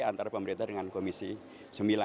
antara pemerintah dengan komisi sembilan